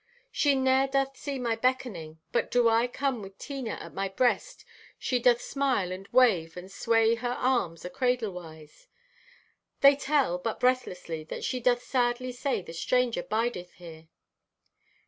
"She ne'er doth see my beckoning, but do I come with Tina at my breast she doth smile and wave and sway her arms a cradle wise. "They tell, but breathlessly, that she doth sadly say the Stranger bideth here."